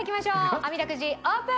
あみだくじオープン！